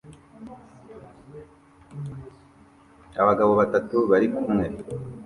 Abagabo batatu bari kumwe